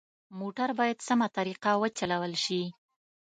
موټر باید سمه طریقه وچلول شي.